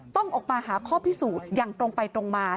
ต้องออกมาหาข้อพิสูจน์อย่างตรงไปตรงมา